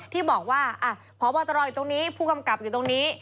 ที่บอกว่าพบตรอยู่ตรงนี้ผู้กำกับอยู่ตรงนี้